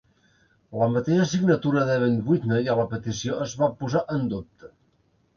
La mateixa signatura d'Even Whitney a la petició es va posar en dubte.